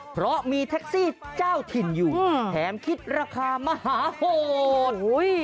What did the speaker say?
เพราะมีแท็กซี่เจ้าถิ่นอยู่แถมคิดราคามหาโหด